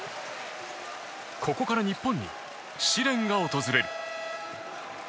ここから日本に試練が訪れる。